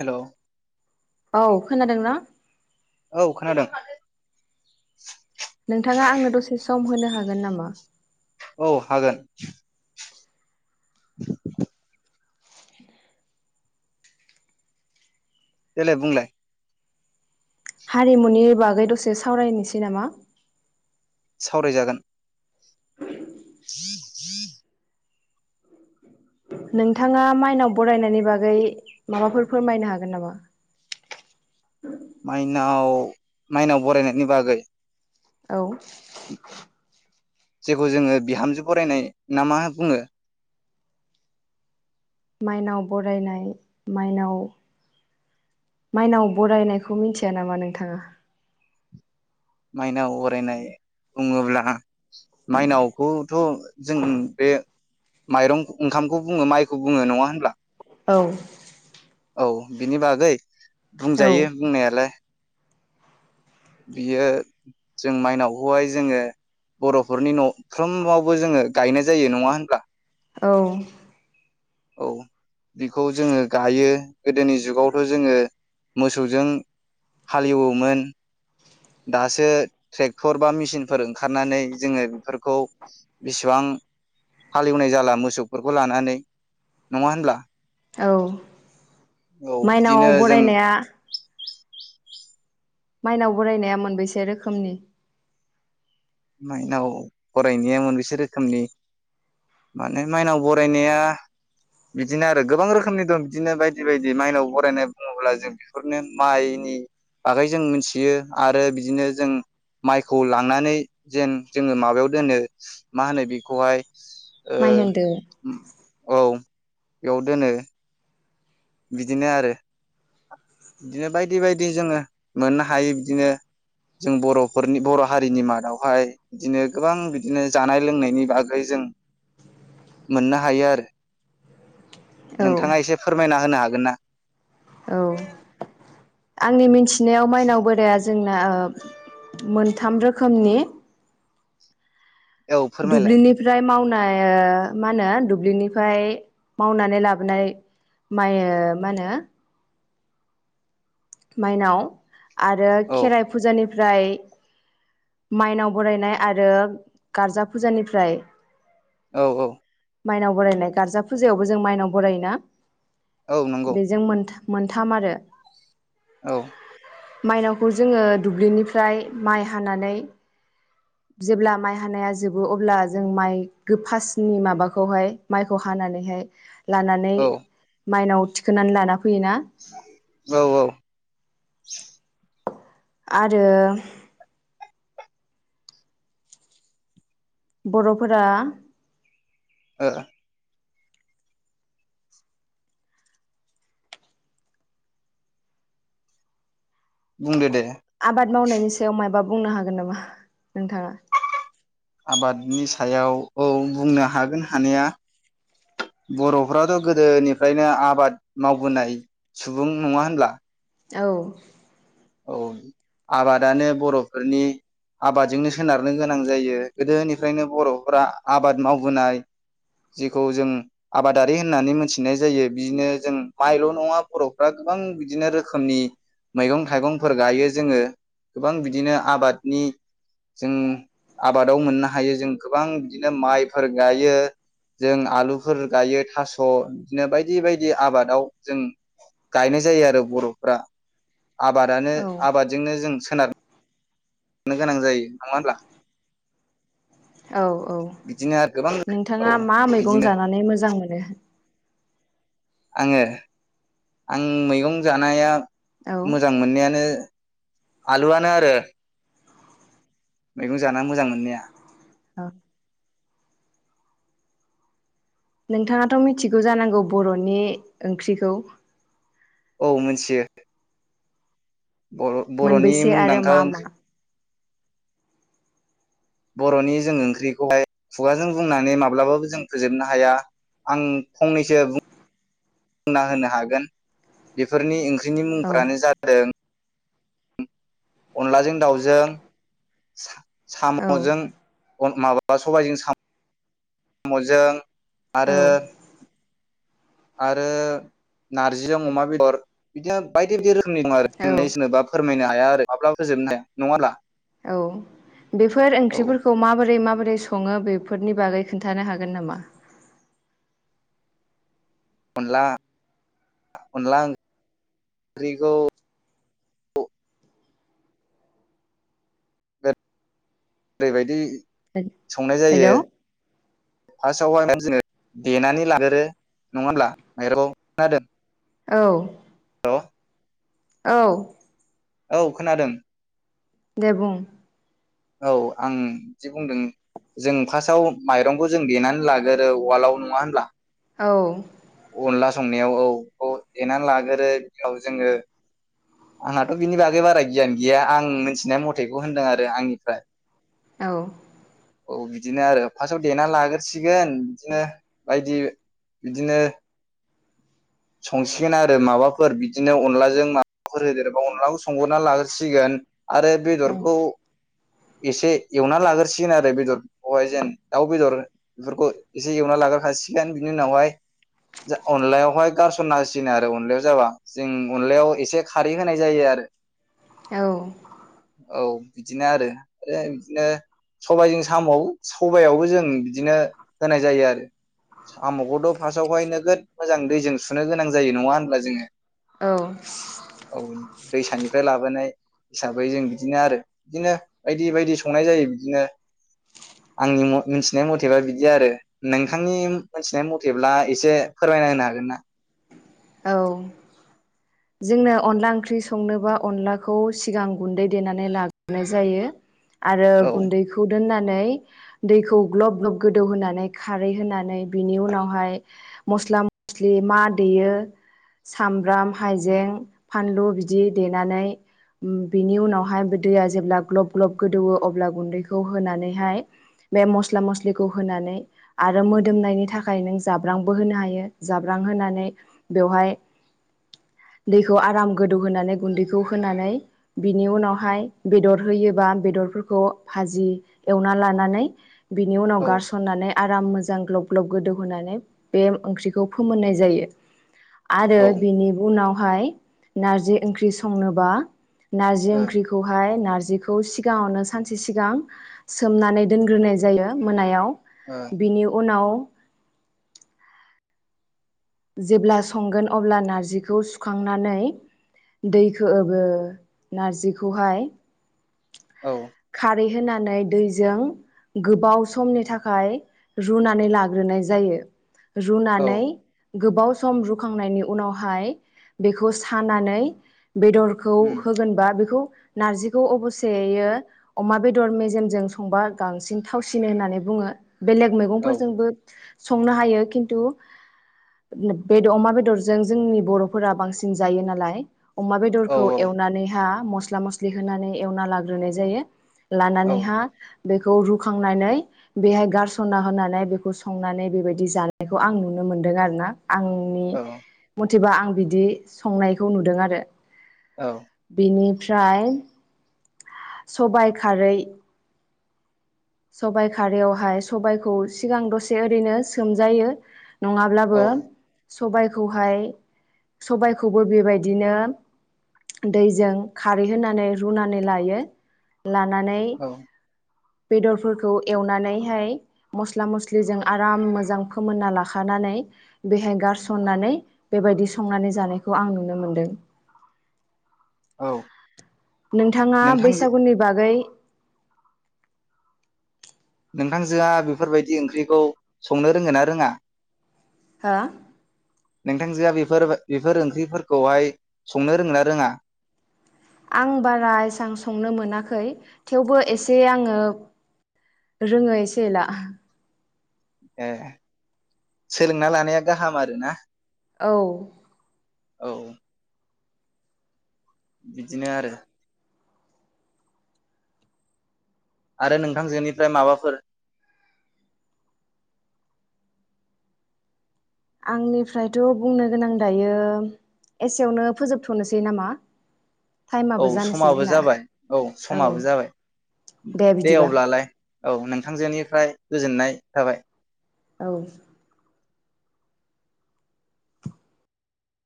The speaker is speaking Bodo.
हेलौ औ खोनादोंना। औ खोनादों नोंथाङा आंनो दसे सम होनो हागोन नामा औ हागोन [inaudible] देलाय बुंलाय हारिमुनि बागै दसे सावरायनोसै नामा सावरायजागोन [inaudible] नोंथाङा माइनाव बरायनायनि बागै माबाफोर फोरमायनो हागोन नामा माइनाव माइनाव बरायनायनि बागै औ जेखौ जोङो बिहामजो बरायनाय ना मा बुङो माइनाव बरायनाय माइनाव बरायनायखौ मिथिया नामा नोंथाङा माइनाव अरायनाय बुङोब्ला माइनावखौथ' जों बे माइरं ओंखामखौ बुङो माइखौ बुङो नङा होनब्ला औ औ बिनि बागै औ बुंजायो बुंनायालाय बियो जों माइनावखौहाय जोङो बर'फोरनि न'फ्रोमावबो जोङो गायनाय जायो नङा होनब्ला औ औ बिखौ जोङो गायो गोदोनि जुगावथ' जोङो मोसौजों हालेववोमोन दासो ट्रेक्टर बा मेचिनफोर ओंखारनानै जोङो बेफोरखौ बेसेबां हालेवनाय जाला मोसौफोरखौ लानानै नङा होनब्ला औ औ बिदिनो माइनावआव जों बरायनाया माइनाव बोरायनाया मोनबेसे रोखोमनि माइनाव बरायनाया मोनबेसे रोखोमनि माने माइनाव बरायनाया बिदिनो आरो गोबां रोखोमनि दं बिदिनो बायदि बायदि माइनाव बरायनाय बुङोब्ला जों बेफोरनो माइनि बागै जों मिथियो आरो बिदिनो जों माइखौ लांनानै जेन जोङो माबायाव दोनो मा होनो बेखौहाय माइहेन्दो औ बेयाव दोनो बिदिनो आरो बिदिनो बायदि बायदि जोङो मोननो हायो बिदिनो जों बर'फोरनि बर' हारिनि मादावहाय बिदिनो गोबां बिदिनो जानाय लोंनायनि बागै जों मोननो हायो आरो औ नोंथाङा एसे फोरमायना होनो हागोन ना औ आंनि मिथि फिनायाव माइनाव बोराया ज जोंना मोनथाम रोखोमनि औ फोरमायलाय दुब्लिनिफ्राय मावनो मा होनो दुब्लिनिफ्राय मावनानै लाबोनाय माय मा होनो माइनाव आरो औ खेराइ फुजानि फ्राय माइनाव बरायनाय आरो गारजा फुजानिफ्राय औ औ माइनाव बरायनाय गारजा फुजायावबो जों माइनाव बरायोना औ नंगौ बेजों मोनथा मोनथाम आरो औ माइनावखौ जोङो दुब्लिनिफ्राय माइ हानानै जेब्ला माइ हानाया जोबो अब्ला जों माइ गोफासनि माबाखौहाय माइखौ हानानैहाय लानानै औ माइनाव थिखोननानै लाना फैयोना औ औ [unintelligible] आरो बर'फोरा ओ बुंदो दे आबाद मावनायनि सायाव मायबा बुंनो हागोन नामा नोंथाङा? आबादनि सायाव औ बुंनो हागोन हानाया बर'फ्राथ' गोदोनिफ्रायनो आबाद मावबोनाय सुबुं नङा होनब्ला औ औ आबादानो बर'फोरनि आबादजोंनो सोनारनो गोनां जायो गोदोनिफ्रायनो बर'फोरा आबाद मावबोनाय जेखौ जों आबादारि होननानै मोनथिनाय जायो बिदिनो जों माइल' नङा बर'फ्रा गोबां बिदिनो रोखोमनि मैगं। [unintelligible] थाइगंफोर गायो जोङो गोबां बिदिनो आबादनि जों आबादाव मोननो हायो जों गोबां बिदिनो माइफोर गायो जों आलुफोर गायो थास' बिदिनो बायदि बायदि आबादाव जों गायनाय जायो आरो बर'फ्रा आबादानो औ आबादजोंनो जों [unintelligible] [unintelligible] गोनां जायो नङा होनब्ला। औ औ बिदिनो आरो गोबां औ नोंथाङा मा मैगं बिदिनो जानानै मोजां मोनो? आङो आं मैगं जानाया औ मोजां मोननायानो आलुआनो आरो मैगं जाना मोजां मोननाया [unintelligible] नोंथाङाथ' मिथिगौ जानांगौ बर'नि ओंख्रिखौ। औ मिथियो। बर' बर'नि मोनबैसे आरो मा मुंदांखा मा ओंख्रि बर'नि जों ओंख्रिखौहाय खुगाजों बुंनानै माब्लाबाबो जों फोजोबनो हाया आं फंनैसो [unintelligible] बुंना होनो हागोन बेफोरनि ओंख्रि [unintelligible] औ मुंफ्रानो जादों [unintelligible] अनलाजों दाउजों औ साम'जों [unintelligible] माबा सबायजों साम'जों औ आरो आरो नारजिजों अमा बेदर बिदिनो बायदि बायदि औ [unintelligible] [unintelligible] [unintelligible] हाया आरो माब्लाबो जोबनो हाया नङा [unintelligible] औ बेफोर औ ओंख्रिफोरखौ माबोरै माबोरै सङो बेफोरनि बागै खोन्थानो हागोन नामा? अनला अनलाओं ओंख्रिखौ ओरैबायदि संनाय जायो। हेलौ फार्स्टआवहाय जोङो देनानै लागोरो नङा होनब्ला माइरं खोनादों? औ। बा [inaudible] औ औ खोनादों। दे बुं औ आं जि बुंदों जों फार्स्टआव माइरंखौ जों देनानै लागोरो उवाल आव नङा होनब्ला। औ। अनला संनायाव औ बेखौ देनानै लाग्रोरो बेयाव जोङो आंहाथ' बिनि बागै बारा गियान गैया आं मिथिनाय मथेखौ होनदों आरो आंनिफ्राय। औ औ बिदिनो आरो फास्स्टआव देना लाग्रोरसिगोन बिदिनो बायदि बिदिनो संसिगोन आरो माबाफोर बिदिनो अनलाजों माबाफोर होदेरोबा अनलाखौ संहरना लागसिगोन आरो औ बेदरखौ एसे एवना लागोरसिगोन आरो बेदरखौहाय जेन दाउ बेदर बेफोरखौ एसे एवना लागोरखाासिगोन बिनि उनावहाय अनलायावहाय गारसन होसिगोन आरो अनलायाव जाबा जों अनलायाव एसे खारै होनाय जायो आरो। औ। औ बिदिनो आरो। आरो बिदिनो सबजों साम' सबयावबो जों बिदिनो होनाय जायो आरो साम'खौथ' फार्स्टआवहाय नोगोद मोजां दैजों सुनो गोनां जायो नङा होनब्ला जोङो? औ औ दैसानिफ्राय लाबोनाय हिसाबै जों बिदिनो आरो बिदिनो बायदि बायदि संनाय जायो बिदिनो आंनि मिथिनाय मथेबा बिदि आरो। नोंथांनि मिथिनाय मथेब्ला एसे फोरमायना होनो हागोन ना? औ जोंनो अनला ओंख्रि संनोबा अनलाखौ सिगां गुन्दै देनानै लाबोनाय जायो। आरो औ गुन्दैखौ दोनना नानै दैखौ ग्ल'ब ग्ल'ब गोदौ होनानै खारै होनानै बिनि उनावहाय मस्ला मस्लि मा देयो सामब्राम, हाइजें, फानलु बिदि देनानै बिनि उनावहाय दैया जेब्ला ग्ल'ब ग्ल'ब गोदौवो अब्ला गुन्दैखौ होनानैहाय बे मस्ला मस्लिखौ होनानै आरो मोदोमनायनि थाखाय नों जाब्रांबो होनो हायो जाब्रां होनानै बेवहाय दैखौ आराम गोदौ होनोनानै गुन्दैखौ होनानै बिनि उनावहाय बेदर होयोबा बेदरफोरखौ भाजि एवना लानानै बिनि उनाव औ गारसननानै आराम मोजां ग्ल'ब ग्ल'ब गोदौ होनोनानै बे ओंख्रिखौ फोमोननाय जायो। आरो औ ओ बिनि उनाव ओमफाय नारजि ओंख्रि संनोबा नारजि ओंख्रिखौहाय नारजि जिखौ सिगाङावनो सानसे सिगां सोमनानै दोनग्रोनाय जायो मोनायाव। ओ औ बिनि उनाव जेब्ला संगोन अब्ला नार्जिखौ सुखांनानै दैखौ बो नार्जिखौहाय खारै होनानै दैजों गोबाव समनि थाखाय रुनानै लाग्रोनाय जायो। औ रुनानै गोबाव सम रुखांनायनि उनावहाय बेखौ सानानै बेदरखौ उम होगोनबा बेखौ नारजिखौ अबस्सेै अमा बेदर मेजेमजों संबा बांसिन थावसिनो होननानै बुङो। बेलेग औ मैगंफोरजोंबो संनो हायो खिन्थु बे अमा बेदरजों जोंनि बर'फोरा बांसिन जायो नालाय। अमा औ बेदरखौ एवनानैहा मस्ला मस्लि होनानै एवना लाग्रोनाय जायो। औ लानानैहा बेखौ रुखांनानै बेहाय गारसना होनानै बेखौ संनानै बेबायदि जानायखौ आं नुनो मोन्दों आरोना। औ आंनि थिबा आं बिदि संनायखौ नुदों आरो। औ बिनि फ्राइ सबाय खारै सबाइ खारै यावहाय सबाइखौ सिगां दसे ओरैनो सोमजायो। नङा ब्लाबो सबाइ खौहाय सबाय खौबो बेबायदिनो दैजों खारै होनानै रुनानै लायो। लानानै औ बेदर फोरखौ एवनानै हाय मस्ला मस्लिजों आराम मोजां फोमोनना लाखानानै बेहाय गारसन नानै बेबायदि संनानै जानायखौ आं नुनो मोनदों। औ। नोंथाङा नोंथांजो बैसागुनि बागै नोंथांजो आ बेफोर बायदि ओंख्रिखौ संनो रोंगोन ना रोङा? हो नोंथांजोआ बेफोर बेफोर ओंख्रि फोरखौहाय संनो रों ना रोङा? आं बारा एसां संनो मोनाखै थेवबो एसे आङो रोङो एसे एला। ए सोलोंना लानाया गाहाम आरो ना। औ। औ। बिदिनो आरो। आरो नोंथांलजोनिफ्राय माबाफोर आंनिफ्रायथ' बुंनो गोनां दायो एसे यावनो फोजोबथ' नोसै नामा? औ टाइमाबो जानोसै समाबो जोंना जाबाय औ समाबो जाबाय दे अब्लालाय औ नोंथां जोनिफ्राय गोजोननाय थाबाय। औ।